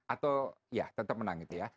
atau ya tetap menang gitu ya